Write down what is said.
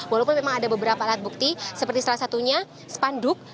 walaupun memang ada beberapa alat bukti seperti salah satunya spanduk